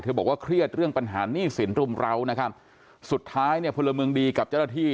เธอบอกว่าเครียดเรื่องปัญหานิสินรุมราวสุดท้ายพลเมืองดีกับเจ้าหน้าที่